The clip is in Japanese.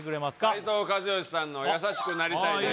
斉藤和義さんの「やさしくなりたい」です